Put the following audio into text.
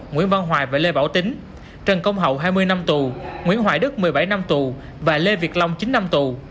nguyễn văn hoài và lê bảo tính trần công hậu hai mươi năm tù nguyễn hoài đức một mươi bảy năm tù và lê việt long chín năm tù